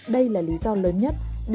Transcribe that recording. đây là lý do lớn nhất